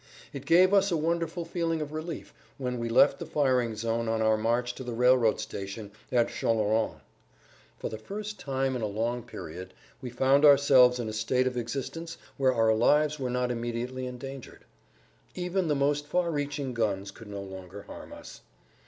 It gave us a wonderful feeling of relief, when we left the firing zone on our march to the railroad station at Challerange. For the first time in a long period we found ourselves in a state of existence where our lives were not immediately endangered; even the most far reaching guns could no longer harm us.